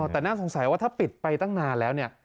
แต่น่าสงสัยว่าถ้าปิดไปตั้งนานแล้วเนี่ย